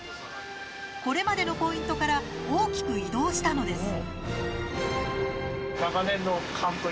これまでのポイントから大きく移動したのです。